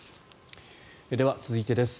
では、続いてです。